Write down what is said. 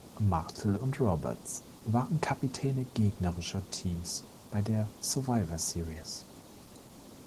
Martel und Roberts waren Kapitäne gegnerischer Teams bei der Survivor Series.